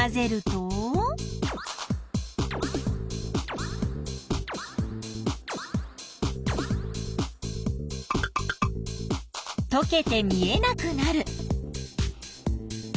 とけて見えなくなる。